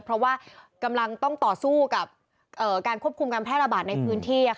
เพราะว่ากำลังต้องต่อสู้กับการควบคุมการแพร่ระบาดในพื้นที่